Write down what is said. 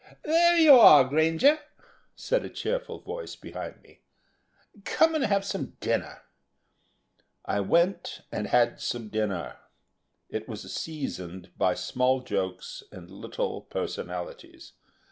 "There you are, Granger," said a cheerful voice behind me. "Come and have some dinner." I went and had some dinner. It was seasoned by small jokes and little personalities.